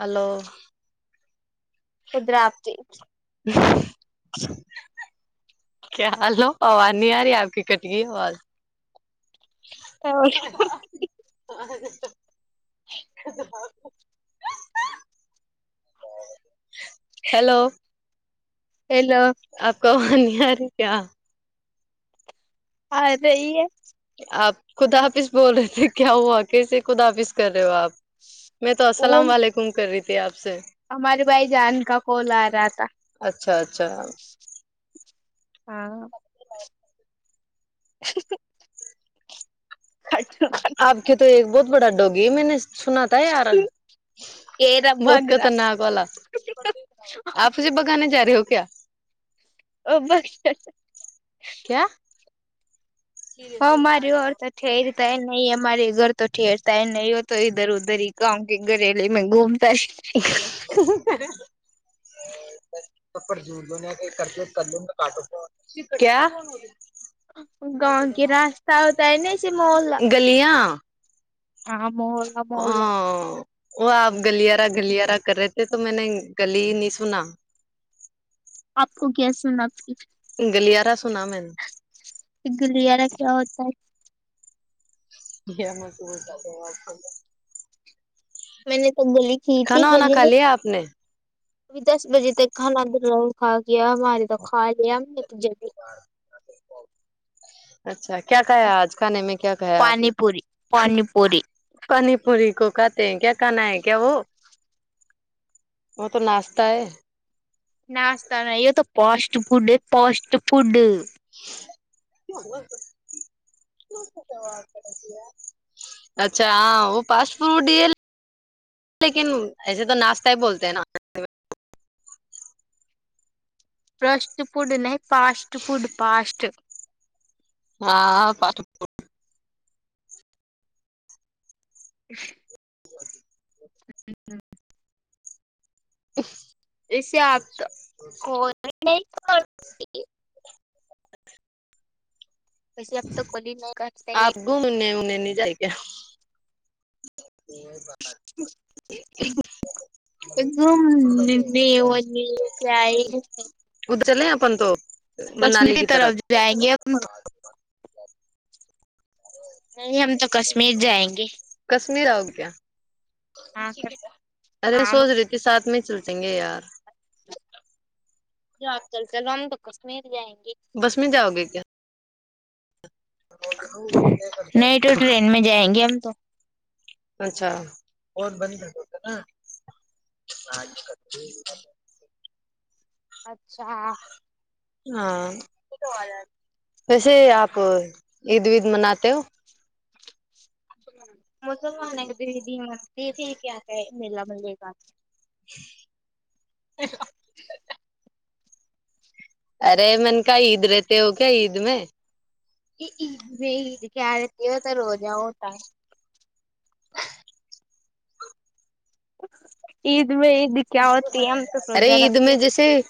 hello کیا حالو آواز نہیں آ رہی آپ کی کٹ رہی ہے آواز [unintelligible] [unintelligible] ہیلو ہیلو آپ کو آواز نہیں ارے کیا آرہی ہے آپ خدا حافظ بول رہے تھے کیا ہوا کیسے خدا حافظ کر رہے ہو آپ میں تو وہ السلام وعلیکم کر رہی تھی آپ سے تمہارے بھائی جان کال آرا تھا اچھا اچھا ہاں [unintelligible] آپ کی تو ایک بہت بڑا ڈوگی میں نے سنا تھا یار یہ رب بہت گرا خطرناک والا آپ نی بگانے جا رہے ہو کیا [unintelligible] [unintelligible] [unintelligible] گاؤں کے گھریلے میں گھومتا ہے [unintelligible] [inaudible] گاؤں کی راستہ ہوتا ہے نا ایسے محولہ گلیاں [unintelligible] ہاں وہ آپ گلیارہ گلیارہ کر رہے تھے تو میں نے گلی ہی نہیں سنا آپ کو کیسے آپ کی گلیاارا سنا میں نے گلیاارا کیا ہوتا ہے [inaudible] میں نے تو گلی کی تھی کھانا وانا گلی کھا میں لیا آپ نے ابھی دس بجے تک کھانا کھا کیایا ہمارے تو کھا لیا ہم نے جب بی اچھا کیا کھایا آج کانے میں کیا کھایا آپ پانی نے پوری پانی پوری پانی پوری کو کھاتے ہیں کیا کھانا ہے کیا وہ وہ تو ناشتہ ہے ناشہ نہیں یہ تو پاسٹ فڈ ہے پاسٹ فوڈ [inaudible] اچھا ہاں وہ پاسٹ فوڈ لیکن ایسے تو ناشتہ ہی بولتے ہیں نا فرسٹ فڈ نہیں پاسٹ فوڈ پاسٹ ہاں اش [unintelligible] [unintelligible] [unintelligible] جی ج [unintelligible] ا چلی اپن تو کشمیر کی طرف جائیں گے نہیں ہم تو کشمیر جائیں گے کشمیر آؤ کیا ہاں ارے ہاں سوچ رہی ت کے ساتھ میں چل جائیں گے یار جو آپ چل چلو ہم تو کشمیر جائیں گے بس میں جاؤ گے کیا نہیں تو ٹرین میں جائیں گے ہم تو اچھا [inaudible] اچھا ہاں ویسے آپ عید وید مناتے ہو [unintelligible] مسلمان [unintelligible] ددی متی تھے کیا کیا ہے میلا ملے گ پ ارے من کاا عید رہتے ہو کیا عید میں کیا رہتی ہو تو روجا ہوتا ہے عید میں عید کیا ہوتی ہے ہم تو روزہ رکھتے سہی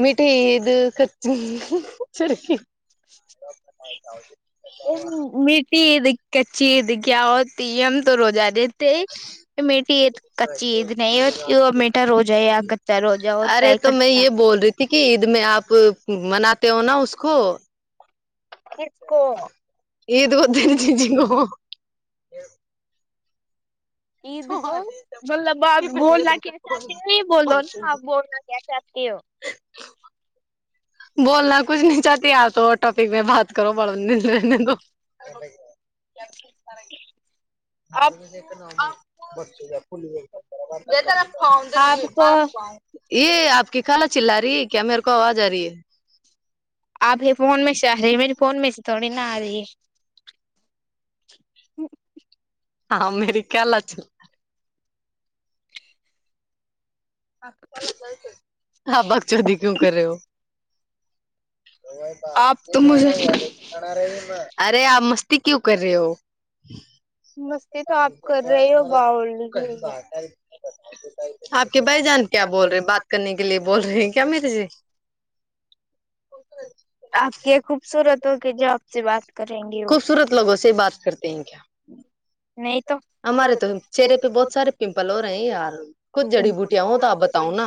میٹھی عید میٹھی عید کچی عید کیا ہوتی ہے ہم تو روزہ دیتے ہی یہ میٹھی عید کچی عید نہیں میٹھا روزہ ہے یا کچا روزہ ہوتا ہے کٹھا کیوں کی عید میں آپ مناتے ہو نا اس کو اس کو [unintelligible] عید کو مطلب آ بولنا کیا چاہتے ہے بولو نا بولو نا کیا چاہتی ہو بولنا کچھ نہیں چاہتی آپ تو ٹاپک میں بات کرو بڑ کو بق [unintelligible] آپ کو [unintelligible] یہ آپ کی خالہ چلا رہی ہے کیا میرے کو آواز آ رہی ہے آپ کے فون میں سے آ رہے ہیں میرے فون میں سے تھوڑی نہ آ رہی ہے ہاں میری خالہ چلرا [unintelligible] ہ باگ چودی کیوں کر رہے ہو اور آپ تو مجھے ارے آپ مستی کیوں کر رہے ہو مستی تو آپ کر رہے ہو م کھی باؤل بات ہے [unintelligible] آپ کے بھائی جان کیا بول رہے بات کرنے کے لیے بول رہے ہیں کیا میرے سے آپ کیا خوبصورت ہو کہ جو آپ سے بات کریں گے وہ تھینک یو نہیں تو ہمارے تو تیرے پہ تو بہت سارے ساریل پمپل ہو ہیں رہے یار ار کچھ بہت جڑی س بوٹیاں بٹیاں ہوں تو آپ بتاؤ نا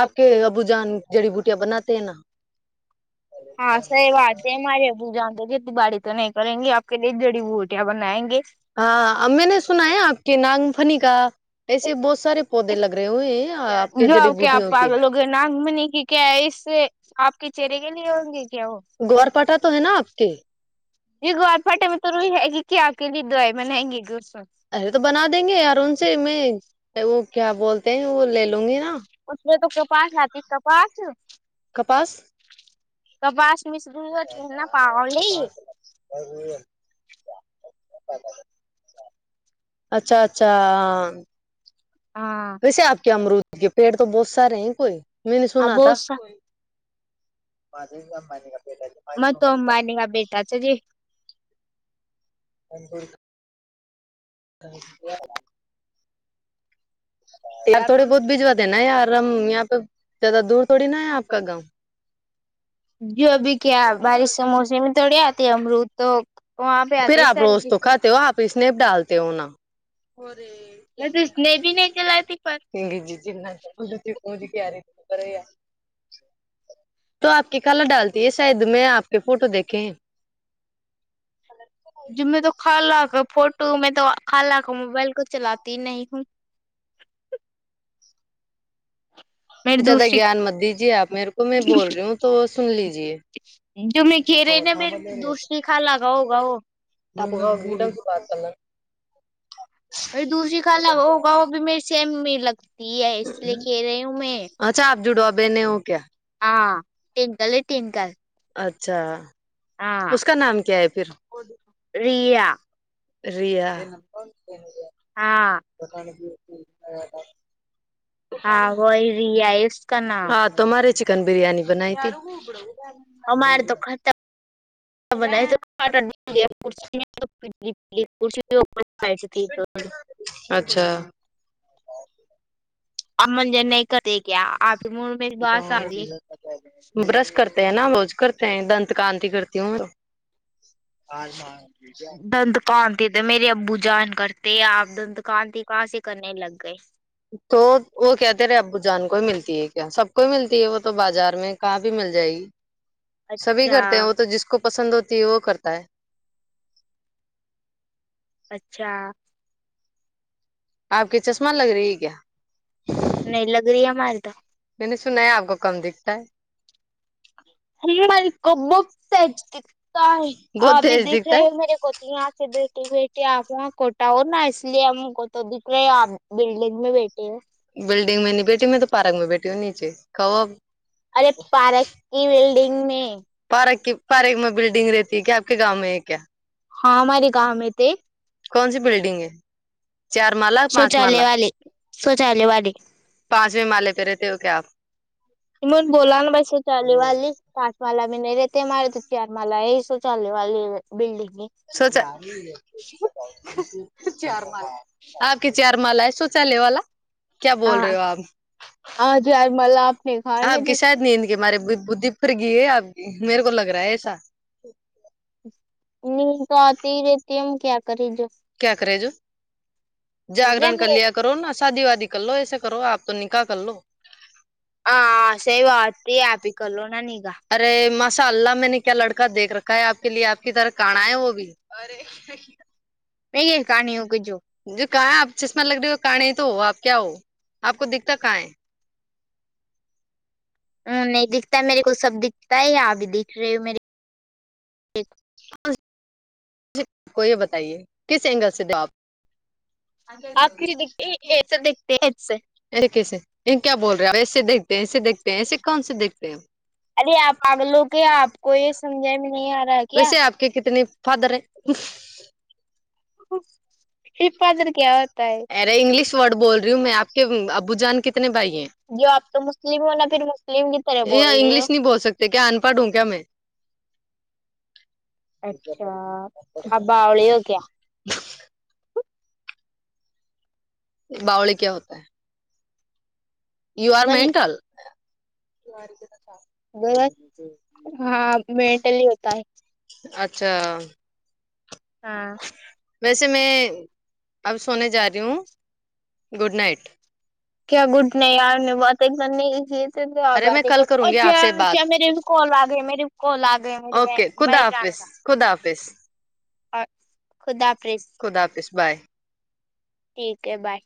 آپ کے ابو جان جڑی بوٹیاں بناتے ہیں نا ہاں سہی بات ہے ہمارے ابو جان باڑی تو نہیں کریں گے آپ کے لیے جڑی بوٹیاں بنائیں گے ہاں امی نے سنا ہے آپ کے ناگ فنی کا ایسے بہت سارے پودے لگ رہے ہوئے ہیں آپ کے جو جڑی آپ بوٹیوں کے پاگلوں ناک منی کی کیا ہے اس سے آپ کے چہرے کے لیے ہوں گے کیا وہ گور پٹا تو تم نا اٹھتی یہ [unintelligible] گوار پٹتا میں تو ر ہیگ کیا آ کے ل دو ہے م نے ہ گے گ س [unintelligible] ارے تو بنا دیں گے یار ان سے میں وہ کیا بولتے ہیں وہ لے لوں گی نا اس میں تو کپاس آتی کپاس کپاس [unintelligible] [inaudible] اچھا اچھا ا ہاں ویسے آپ کیا امرود کے پیڑ تو بہت سارے ہیں کوئی میں نہیں اب سنا تھا م تو امبانی کا بیٹا سے جی [unintelligible] [unintelligible] یار تھوڑے بہت بھجوا دینا یار ہم یہاں پہ زیادہ دور تھوڑی نا ہے آپ کا گاؤں جو ابی کیا بارش کا موسم توڑی آتی امروت تو وہاں پہ پھر آتے آپ روز سردی تو سے کھاتے ہو سنیپ ڈالتے ہو نا میں تو سنیپ ہی نہی چلاتھی پر جی جی [unintelligible] جنا چ ت پونھ کیاریب ار تو آپ کی کلا ڈالتی ہے شاید میں آپ کے فوٹو دیکھے ہیں جی میں تو خالا کا فوٹو میں تو خالہ کا موبائل کو چلاتی ہی نہیں ہوں میری زیادہ دوسری گیان مت دیجیے آپ میرے کو میں بول رہی ہوں تو سن لیجیے جو میں کھیرے نا میری دوسری خالہ کا ہوگا وہ [inaudible] [inaudible] میری دوسری خالہ کا ہوگا وہ بھی میرے سیم میں لگتی ہے اس لیے کہہ رہی ہوں میں اچھا آپ جڑو بہنے ہو کیا ٹینکل ہے ٹینکل اچھا اس کا نام کیا ہے پھر ریا ریا ہاں ہاں وہی ریا ہے اس کا نام ہاں تمہارے چکن بریانی بنائی تھی ہمارے تو کھاتا [unintelligible] اچھا برش کرتے ہیں [unintelligible] نا روز کرتے ہیں دانت کاانتی کرتی ہوں دانتکنتی تو میرے ابو جان کرتے آپ دتکانتی کہاں سے کرنے لگ گئے ج تو وہ کہتے رہے ابو جان کو ہی ملتی ہے کیا سب کو ہی ملتی ہے وہ تو بازار میں کہاں بھی مل جائے گی سبھی اچھا کرتے ہیں وہ تو جس کو پسند ہوتی ہے وہ کرتا ہے اچھا آپ کی چشمہ لگ رہی ہے کیا نہیں لگ رہی ہماری تو میں نے سنا ہے آپ کو کم دکھتا ہے [unintelligible] آ بہت ابھی تیز دیکھ دکھتا رہے ہو میرے کوجی یہاں سے بیٹٹی بیٹی آپاں کوٹا ہو نا اس لیےہم کو تو دک رہے آپ بلڈنگ میں بیٹھے ہو بلڈنگ میں نہیں بیٹی میں تو پارک میں بیٹی ہوں نیچے کہو اب ارے پارک کی بلڈنگ میں [inaudible] پارک میں بلڈنگ رہتی ہے کیا آپ کے گاؤں میں ہے کیا ہو ہمارے گاؤں میں تھے کون سی بلڈنگ ہے چار مالا پانچ سوچالے مالا والے سوچالے والے پانچویں مالے پہ رہتے ہو کیا آپ [unintelligible] مالاے شوچالے والے بلڈگ میں سوچا چار مالہ آپکے چار مالہ ہے شوچالے والا کیا بول رہے ہو آپ آپ کی شاید نیند کے مارے بدھی پھرگئی ہے آپکی میرے کو لگ رہا ہے ایسا نیند تو آتی ہی رہتی ہے ہم کیاکرے جو کیا کرےجو جاگرن کر لیا کرونا شادی وادی کر لو ایسا کرو آپ تو نکاح کر لو [unintelligible] ارے ماشا اللہ میں نے کیا لڑکا دیکھ رکھا ہے آپ کے لیے آپ کی طرح کانا ہے وہ بھی ارے جو کہاں ہے آپ چشمہ لگ رہی ہو کانے ہی تو ہو آپ کیا ہو آپ کو دکھتا کہاں ہے نہیں دکھتا ہے میرے کو سب دکھتا ہے آپ بھی دکھ رہے ہو میرےکو کو بتائیے کس اینگل سے ہو آپ [unintelligible] آخری دکھتے ہے کیسے دکھتے ہیں اس سے اےکیسے ایں کیا بول رہے ہیں ایسے دیکھتے ہیں ایسے دیکھتے ہیں ایسے کون سے دیکھتے ہیں ویسے آپکے کتنے فادر ہیں فادر کیا ہوتا ہے ارے انگلش ورڈ بول رہی ہوں میں آپ کے ابو جان کتنے بھائی ہیں جی آپ تو مسلم ہو نا پھر مسلم کی طرح یہ بول رہے ہو انگلش نہیں بول سکتے کیا ان پڑھ ہوں [unintelligible] کیا میں اچھا آپ باؤلی ہو کیا باؤلی کیا ہوتا ہے یو آر مینٹل [unintelligible] ہاں مینٹلی ہوتا ہے اچھا ہاں ویسے میں اب سونے جا رہی ہوں گڈ نائٹ کیا گڈ نہیں یار میں باتیں کرنے کی تھی تو آپ ارے میں باتیں کل کرو کروں گی آپ اچھا سے بات اچھا میرے بھی کال آ گئے میرے کال آ گئے میرے اوکے خدا بھائی جان حافظ کا خدا حافظ اور خدا حافظ خدا حافظ بائے ٹھیک ہے بائے